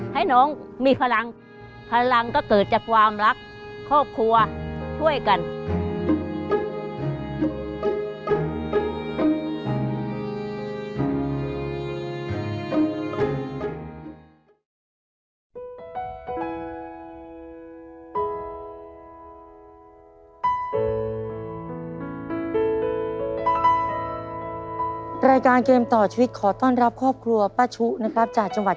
ให้น้องมีพลังพลังก็เกิดจากความรักครอบครัวช่วยกัน